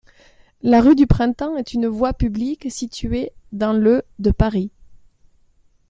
La rue du Printemps est une voie publique située dans le de Paris.